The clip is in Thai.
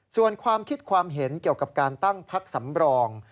ส่วนความคิดความเห็นเกี่ยวกับการตั้งพักสำรอง